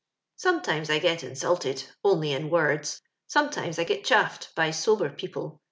" Sometimes I get insulted, only in words ; sometimes I get chafi'ed by sober people.